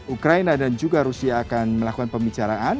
ukraina dan juga rusia akan melakukan pembicaraan